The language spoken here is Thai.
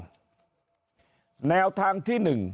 ซึ่งมีอยู่สองแนวทางแนวทางที่หนึ่ง